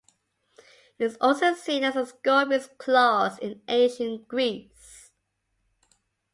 It was also seen as the Scorpion's Claws in ancient Greece.